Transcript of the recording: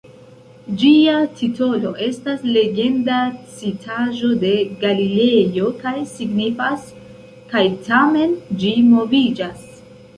Ĝia titolo estas legenda citaĵo de Galilejo kaj signifas "kaj tamen ĝi moviĝas".